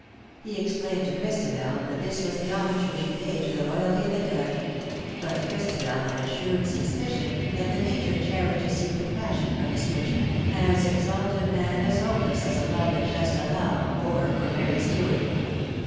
He explained to Christabel that this was the homage which he paid to the royalty of intellect; but Christabel had a shrewd suspicion that the Major cherished a secret passion for Miss Bridgeman, as exalted and as hopeless as the love that Chastelard bore for Mary Stuart.